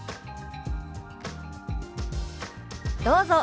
どうぞ。